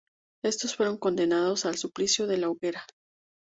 Estos fueron condenados al suplicio de la hoguera.